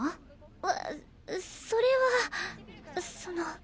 あっそれはその。